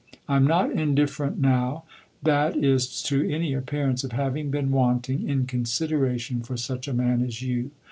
I'm not indifferent now that is to any appearance of having been wanting in consideration for such a man as you.